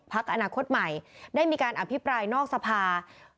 อนาคตใหม่ได้มีการอภิปรายนอกสภา